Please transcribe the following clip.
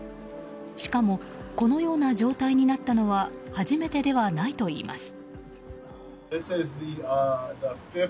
しかもこのような状態になったのは初めてではないといいます。